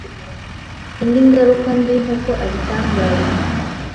Indi ngaruka mbi nk’uko abitangaza